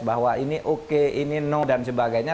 bahwa ini oke ini no dan sebagainya